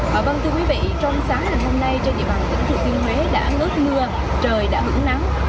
và vâng thưa quý vị trong sáng ngày hôm nay trên địa bàn tỉnh thừa thiên huế đã ngớt mưa trời đã hứng nắng